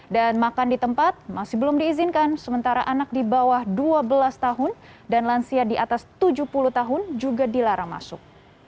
dan makan di tempat masih belum diizinkan sementara anak di bawah dua belas tahun dan lansia di atas tujuh puluh tahun juga dilarang masuk